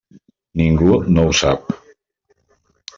Ningú no ho sap.